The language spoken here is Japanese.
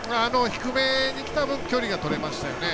低めにきたぶん距離がとれましたよね。